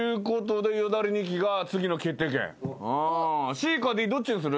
ＣかＤどっちにする？